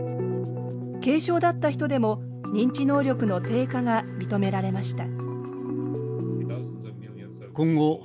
軽症だった人でも認知能力の低下が認められました。